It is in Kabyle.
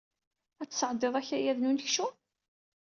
Ad tesɛeddiḍ akayad n unekcum?